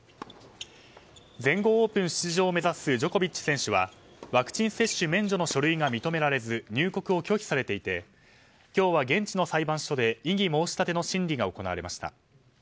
全豪オープン出場を目指すジョコビッチ選手はワクチン接種免除の書類が認められず入国を拒否されていて今日は現地の裁判所で異議申し立ての審理が行われました。